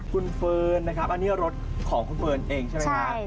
คุณเฟิร์นนะครับอันนี้รถของคุณเฟิร์นเองใช่ไหมฮะ